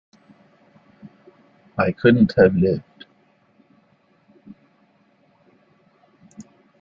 I couldn't have lived.